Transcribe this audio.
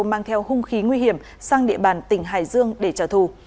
mang theo hung khí nguy hiểm sang địa bàn tỉnh hải dương để trả thù